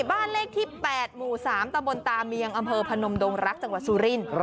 บ้านเลขที่๘หมู่๓ตะบนตาเมียงอำเภอพนมดงรักจังหวัดสุรินทร์